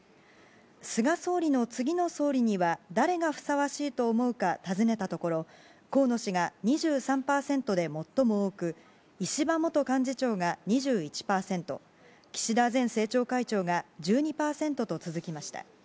菅総理の次の総理には誰がふさわしいと思うか尋ねたところ河野氏が２３％で最も多く、石破元幹事長が２１％、岸田前政調会長が１２％と続きました。